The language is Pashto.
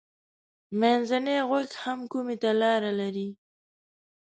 منځنی غوږ هم کومي ته لاره لري.